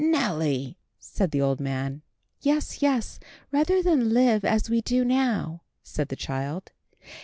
"Nelly!" said the old man. "Yes, yes, rather than live as we do now," said the child.